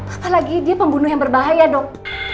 apalagi dia pembunuh yang berbahaya dok